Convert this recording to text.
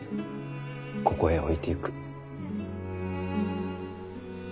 ここへ置いてゆく。